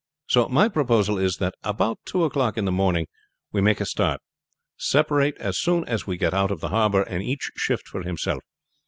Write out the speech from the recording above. So my proposal is that at about two o'clock in the morning we make a start, separate as soon as we get out of the harbor, and each shift for himself.